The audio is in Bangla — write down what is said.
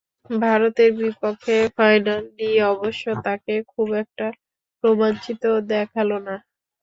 ভারতের বিপক্ষে ফাইনাল নিয়ে অবশ্য তাঁকে খুব একটা রোমাঞ্চিত দেখাল না।